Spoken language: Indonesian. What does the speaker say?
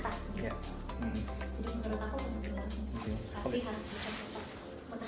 tapi harus bisa tetep menahan